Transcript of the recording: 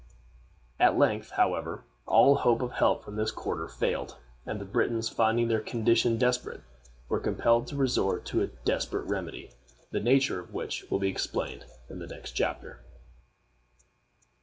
At length, however, all hope of help from this quarter failed, and the Britons, finding their condition desperate, were compelled to resort to a desperate remedy, the nature of which will be explained in the next chapter.